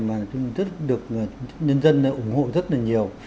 mà được nhân dân ủng hộ rất là nhiều